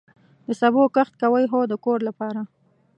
د سبو کښت کوئ؟ هو، د کور لپاره